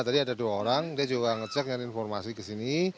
tadi ada dua orang dia juga ngecek yang informasi kesini